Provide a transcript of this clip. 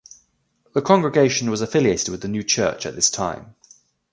The congregation was affiliated with the new church at this time.